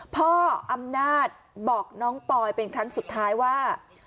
พ่ออำนาจบอกน้องปอยเป็นครั้งสุดท้ายว่า